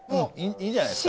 いいんじゃないですか。